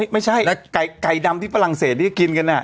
ไม่ใช่ใกล่ดำที่ฝรั่งเศสได้กิน